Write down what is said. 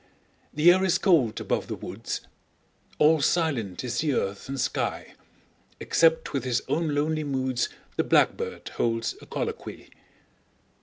The air is cold above the woods; 5 All silent is the earth and sky, Except with his own lonely moods The blackbird holds a colloquy.